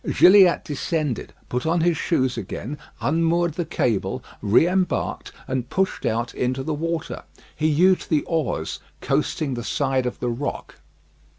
Gilliatt descended, put on his shoes again, unmoored the cable, re embarked, and pushed out into the water. He used the oars, coasting the side of the rock.